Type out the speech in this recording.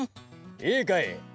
・いいかい！